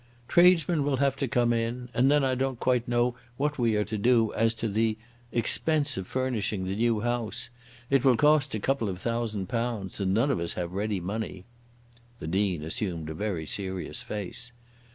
"Tradesmen will have to come in. And then I don't quite know what we are to do as to the expense of furnishing the new house. It will cost a couple of thousand pounds, and none of us have ready money." The Dean assumed a very serious face.